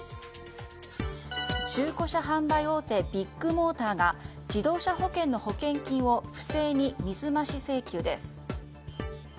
中古車販売大手ビッグモーターが自動車保険の保険金を不正に水増し請求です。